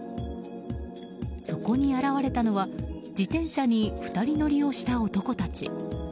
そこに現れたのは自転車に２人乗りをした男たち。